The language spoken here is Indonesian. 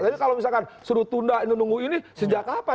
tapi kalau misalkan suruh tunda undang undang ini sejak kapan